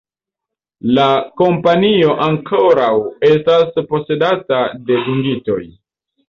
La kompanio ankoraŭ estas posedata de dungitoj.